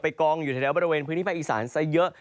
กองอยู่แถวบริเวณพื้นที่ภาคอีสานซะเยอะ